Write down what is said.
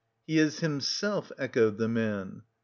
"He is himself," echoed the man.